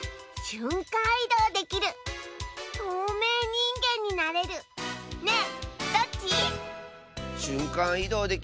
しゅんかんいどうできるまほうととうめいにんげんになれるまほうかあ。